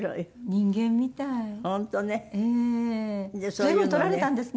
随分撮られたんですね